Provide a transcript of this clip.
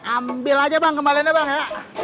ambil aja bang kembaliannya bang ya